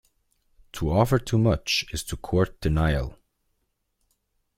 To offer too much, is to court denial.